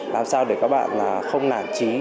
làm sao để các bạn không nản trí